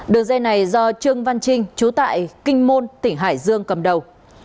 đường dây này do trương văn trinh trú tại kinh môn tỉnh hải dương cầm đầu